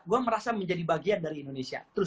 gue merasa menjadi bagian dari indonesia terus